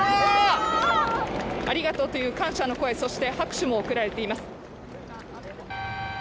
ありがとうという感謝の声、そして拍手も送られています。